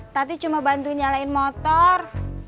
tadi cuma bantu nyalain motor